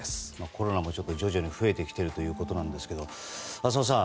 コロナも徐々に増えてきているということですが浅尾さん